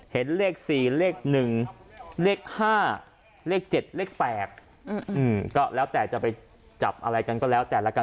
เห็นเลข๔เลข๑เลข๕เลข๗เลข๘ก็แล้วแต่จะไปจับอะไรกันก็แล้วแต่ละกัน